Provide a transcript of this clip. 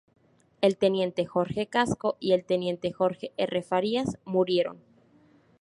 El teniente Jorge Casco y el teniente Jorge R. Farias murieron.